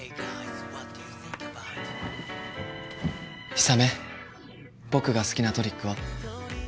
氷雨僕が好きなトリックは？